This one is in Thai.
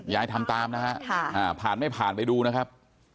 ทำตามนะฮะผ่านไม่ผ่านไปดูนะครับ